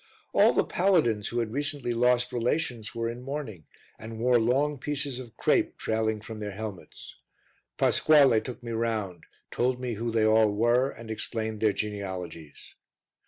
All the paladins who had recently lost relations were in mourning and wore long pieces of crape trailing from their helmets. Pasquale took me round, told me who they all were and explained their genealogies.